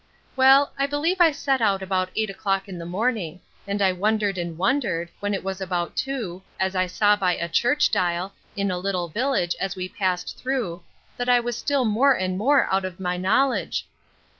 Well, I believe I set out about eight o'clock in the morning; and I wondered and wondered, when it was about two, as I saw by a church dial, in a little village as we passed through, that I was still more and more out of my knowledge.